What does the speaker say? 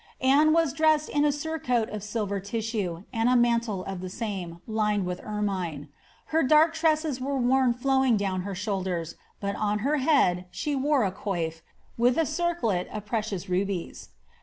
Anne was dressed in a sureoat of silver tissue, and a mantle of the same, lined with ermine ; her dark tresses were worn flowing down her shoulders, bat on her head she wore a coif, with a circlet of precious rubies.